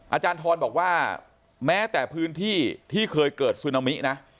อาจารย์ทรบอกว่าแม้แต่พื้นที่ที่เคยเกิดซึนามินะ